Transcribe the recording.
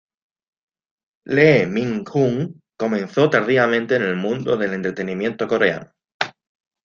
Lee Min-jung comenzó tardíamente en el mundo del entretenimiento coreano.